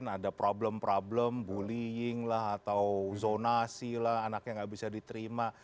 ada problem problem bullying atau zonasi anaknya tidak bisa diterima